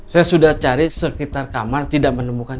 saya sudah cari sekitar kamar tidak menemukan